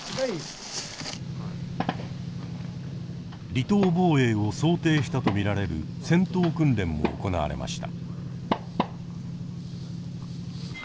離島防衛を想定したと見られる戦闘訓練も行われました。